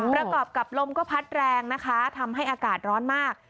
ประกอบกับลมก็พัดแรงนะคะทำให้อากาศร้อนมาก